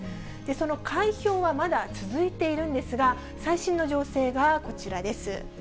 その開票はまだ続いているんですが、最新の情勢がこちらです。